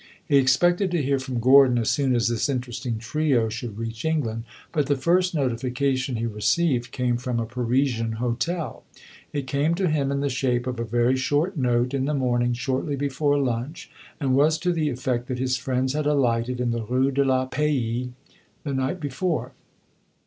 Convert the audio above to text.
He expected to hear from Gordon as soon as this interesting trio should reach England, but the first notification he received came from a Parisian hotel. It came to him in the shape of a very short note, in the morning, shortly before lunch, and was to the effect that his friends had alighted in the Rue de la Paix the night before.